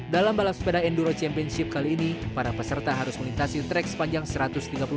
dalam balap sepeda enduro championship kali ini para peserta harus melintasi trek sepanjang seratus km